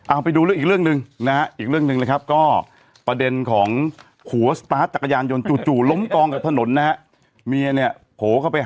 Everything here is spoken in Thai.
อ้าวไปดูอีกเรื่องนึงนะครับประเด็นของหัวสตาร์ตจักรยานยนต์จู่หลมกองกับถนนนะครับ